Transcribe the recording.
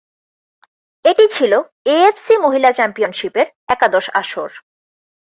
এটি ছিল এএফসি মহিলা চ্যাম্পিয়নশিপের একাদশ আসর।